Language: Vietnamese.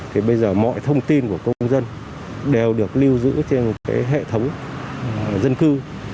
thì bây giờ mọi thông tin của công dân đều được lưu giữ trên cái hệ thống dân cư